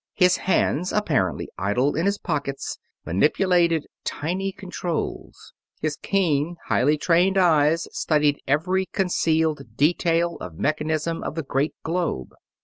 His hands, apparently idle in his pockets, manipulated tiny controls; his keen, highly trained eyes studied every concealed detail of mechanism of the great globe.